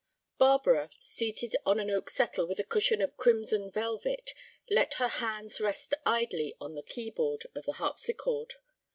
Barbara, seated on an oak settle with a cushion of crimson velvet, let her hands rest idly on the key board of the harpsichord.